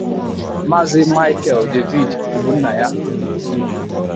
Maazị Michael David Ogbonnaya